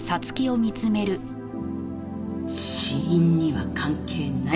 死因には関係ない。